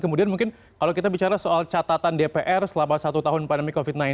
kemudian mungkin kalau kita bicara soal catatan dpr selama satu tahun pandemi covid sembilan belas